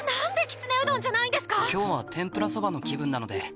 今日は天ぷらそばの気分なので。